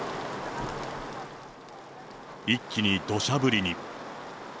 一気にどしゃ降りに。